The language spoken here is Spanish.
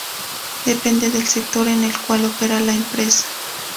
Depende del sector en cuál opera la empresa.